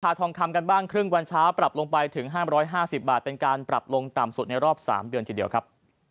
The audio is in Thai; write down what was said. ทองคำกันบ้างครึ่งวันเช้าปรับลงไปถึง๕๕๐บาทเป็นการปรับลงต่ำสุดในรอบ๓เดือนทีเดียวครับ